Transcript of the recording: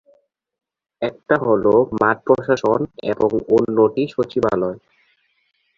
একটা হল মাঠ প্রশাসন এবং অন্যটি সচিবালয়।